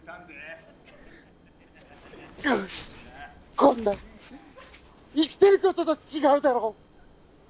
こんなん生きてる事と違うだろう！